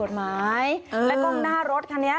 แล้วก็ขอข้อเข้าเปิดไฟ